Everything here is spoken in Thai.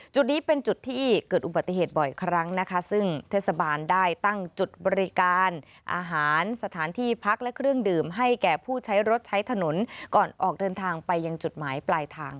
จุดนี้เป็นจุดที่เกิดอุบัติเหตุบ่อยครั้งนะคะซึ่งเทศบาลได้ตั้งจุดบริการอาหารสถานที่พักและเครื่องดื่มให้แก่ผู้ใช้รถใช้ถนนก่อนออกเดินทางไปยังจุดหมายปลายทาง